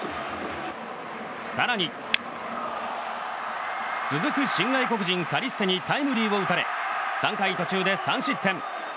更に、続く新外国人カリステにタイムリーを打たれ３回途中で３失点。